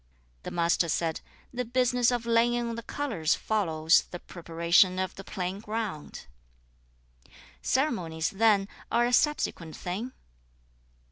"' 2. The Master said, 'The business of laying on the colours follows (the preparation of) the plain ground.' 3. 'Ceremonies then are a subsequent thing?'